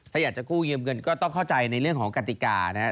ถ้าอยากจะคู่เยี่ยมเกินก็ต้องเข้าใจในเรื่องของกติกานะ